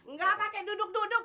nggak pake duduk duduk